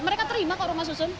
mereka terima kok rumah susun